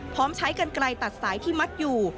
พร้อมใช้กันไกลตัดสายที่มัดอยู่